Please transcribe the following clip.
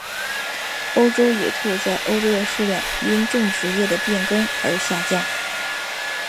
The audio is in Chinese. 欧洲野兔在欧洲的数量因种植业的变更而下降。